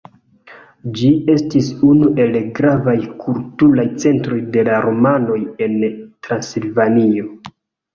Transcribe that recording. Ĝi estis unu el gravaj kulturaj centroj de la rumanoj en Transilvanio.